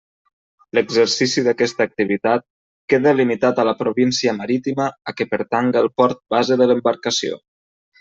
L'exercici d'aquesta activitat queda limitat a la província marítima a què pertanga el port base de l'embarcació.